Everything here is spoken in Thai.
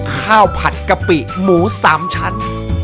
ข้าวผัดกะปิหมู๓ชั้น